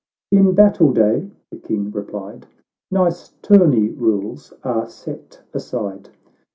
—" In battle day," the King replied, " Nice tourney rules are set aside.